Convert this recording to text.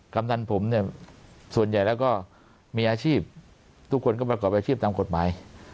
กำนันผมเนี่ยส่วนใหญ่แล้วก็มีอาชีพทุกคนก็ประกอบอาชีพตามกฎหมาย